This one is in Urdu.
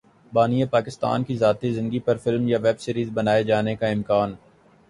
بانی پاکستان کی ذاتی زندگی پر فلم یا ویب سیریز بنائے جانے کا امکان